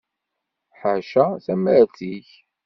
Ḥaca tamart ik.